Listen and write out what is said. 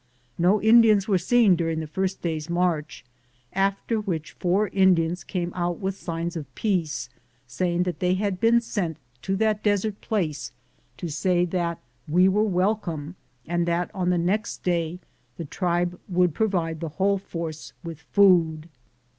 No Indians were seen during the first day's march, after which four Indians came out with signs of peace, saying that they had been sent to that desert place to say that we were welcome, and that on the next day the tribe would am Google THE JOURNEY OF CORONADO provide the whole force with food.